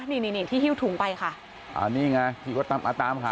นี่ที่หิวถุงไปค่ะนี่ไงพี่ก็มาตามค่ะ